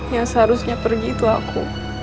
yang seharusnya pergi itu aku